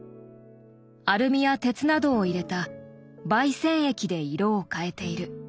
アルミや鉄などを入れた媒染液で色を変えている。